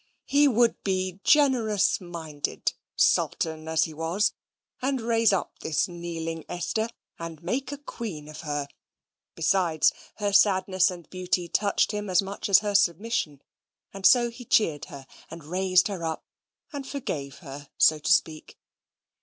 He would be generous minded, Sultan as he was, and raise up this kneeling Esther and make a queen of her: besides, her sadness and beauty touched him as much as her submission, and so he cheered her, and raised her up and forgave her, so to speak.